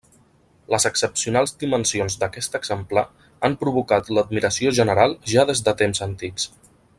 Les excepcionals dimensions d'aquest exemplar han provocat l'admiració general ja des de temps antics.